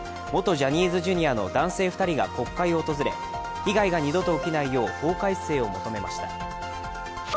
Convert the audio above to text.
ジャニーズＪｒ．の男性２人が国会を訪れ被害が二度と起きないよう法改正を求めました。